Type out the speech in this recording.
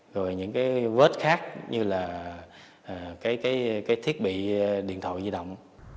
rồi những cái vết khác như là cái thiết bị điện thoại di động